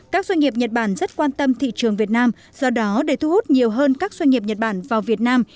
các doanh nghiệp nhật bản rất quan tâm thị trường việt nam do đó để thu hút nhiều hơn các doanh nghiệp nhật bản vào việt nam